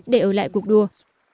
để ở lại cuộc đua